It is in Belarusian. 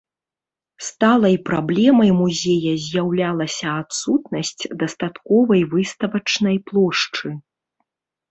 Сталай праблемай музея з'яўлялася адсутнасць дастатковай выставачнай плошчы.